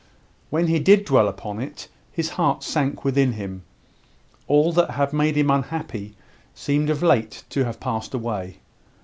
When he did dwell upon it, his heart sank within him. All that had made him unhappy seemed of late to have passed away.